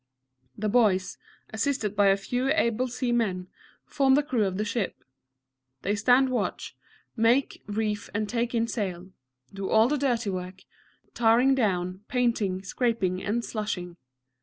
The boys, assisted by a few able sea men, form the crew of the ship. They stand watch, make, reef, and take in sail; do all the dirty work, tarring down, painting, scraping, and slushing.